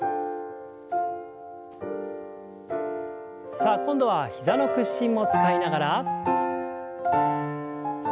さあ今度は膝の屈伸も使いながら。